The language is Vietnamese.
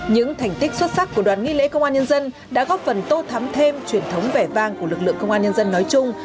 những thành tích xuất sắc của đoàn nghi lễ công an nhân dân đã góp phần tô thắm thêm truyền thống vẻ vang của lực lượng công an nhân dân nói chung